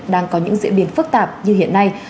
đang có những diễn biến phức tạp như hiện nay